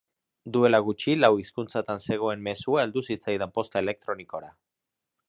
Duela gutxi lau hizkuntzatan zegoen mezua heldu zitzaidan posta elektronikora.